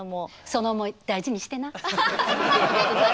その思い大事にしてな。